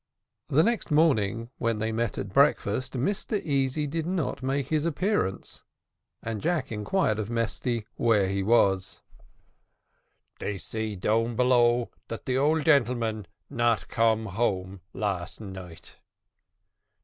The next morning, when they met at breakfast, Mr Easy did not make his appearance, and Jack inquired of Mesty where he was? "They say down below that the old gentleman not come home last night."